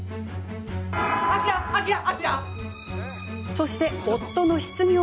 そして夫の失業。